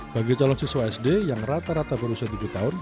bagi calon siswa sd yang rata rata berusia tujuh tahun